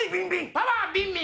パワービンビン！